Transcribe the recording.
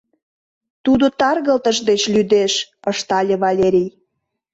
— Тудо таргылтыш деч лӱдеш, — ыштале Валерий.